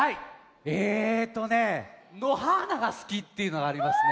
えとね「のはーながすき」っていうのがありますね。